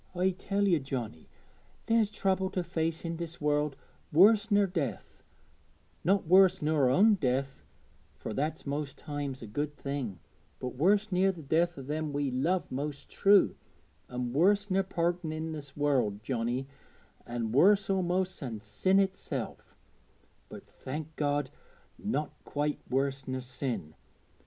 I tell ye, Johnnie, there's trouble to face i' this world worse ner death, not worse ner our own death, fur that's most times a good thing, but worse ner the death o' them we love most true an' worse ner parting i' this world, Johnnie, an' worse a'most than sin itself; but, thank God, not quite worse ner sin.